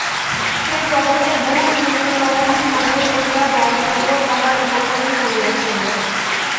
সে জগতের বহু সুন্দরী রমণী সংগ্রহ করিয়া বলপূর্বক তাহার উপপত্নী করিয়াছিল।